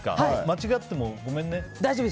間違っても、ごめんね。